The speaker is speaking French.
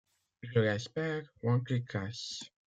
Je l’espère, van Tricasse.